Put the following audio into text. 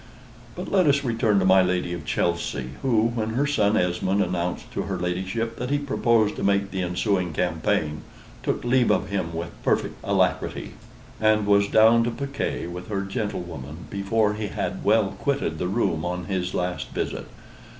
But let us return to my Lady of Chelsey, who, when her son Esmond announced to her ladyship that he proposed to make the ensuing campaign, took leave of him with perfect alacrity, and was down to piquet with her gentlewoman before he had well quitted the room on his last visit.